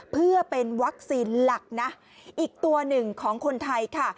เพื่อเป็นวัคซีนหลักนะอีกตัวหนึ่งของคนไทยค่ะ